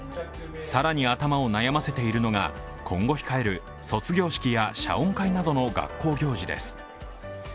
更に頭を悩ませているのが今後控える卒業式や謝恩会などの学校行事です。